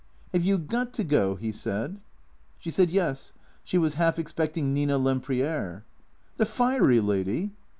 " Have you got to go? " he said. She said. Yes, she was half expecting Nina Lempriere. "The fiery lady?"